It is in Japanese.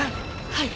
はい。